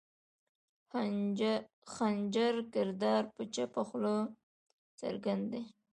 خنجر کردار پۀ چپه خله څرګند دے